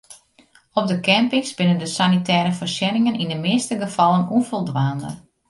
Op de campings binne de sanitêre foarsjenningen yn de measte gefallen ûnfoldwaande.